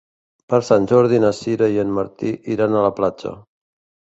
Per Sant Jordi na Sira i en Martí iran a la platja.